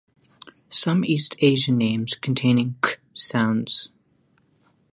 Some East Asian names containing 'kh' sounds.